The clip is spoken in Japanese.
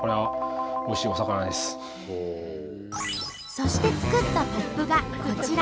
そして作ったポップがこちら。